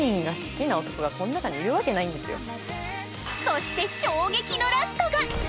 そして衝撃のラストが！